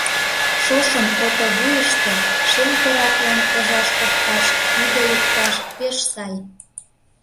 Шошым ото вуйышто шем кораклан пыжаш опташ, иге лукташ пеш сай.